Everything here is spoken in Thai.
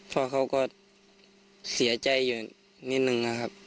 พ่อเขาก็เสียใจอยู่นิดนึงนะครับ